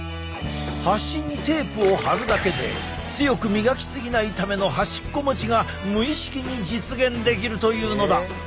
端にテープを貼るだけで強く磨き過ぎないための端っこ持ちが無意識に実現できるというのだ。え？